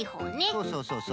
そうそうそうそう。